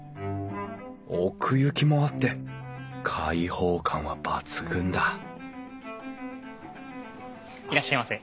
奥行きもあって開放感は抜群だいらっしゃいませ。